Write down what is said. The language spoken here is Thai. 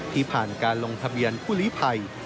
ที่ผ่านการลงทะเบียนผู้ลีภัย